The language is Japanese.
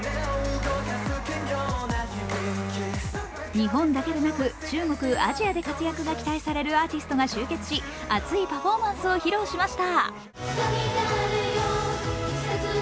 日本だけでなく、中国、アジアで活躍が期待されるアーティストが集結し熱いパフォーマンスを披露しました。